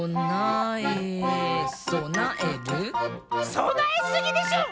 そなえすぎでしょ！